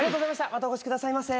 またお越しくださいませ。